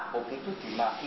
dpi itu dimakai